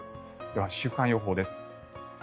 では、週間予報です。